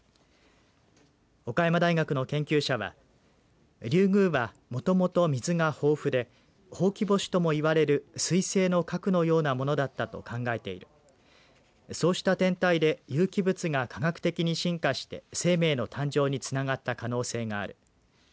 岡山大学の研究者はリュウグウはもともと水が豊富でほうき星ともいわれるすい星の核のようなものだったと考えているそうした天体で有機物が化学的に進化して生命の誕生につながった可能性がある。